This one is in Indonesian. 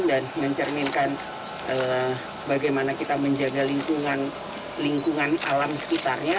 dan mencerminkan bagaimana kita menjaga lingkungan alam sekitarnya